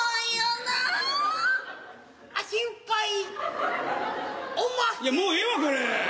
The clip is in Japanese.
いやもうええわこれ。